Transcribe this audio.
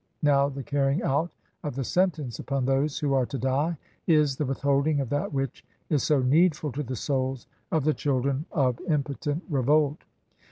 (2) Now the "carry ing out of the sentence upon those who are to die" is the with holding of that which is so needful to the souls of the children of impotent revolt.